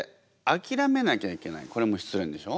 これも失恋でしょ？